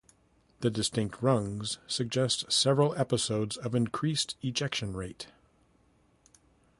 The distinct rungs suggest several episodes of increased ejection rate.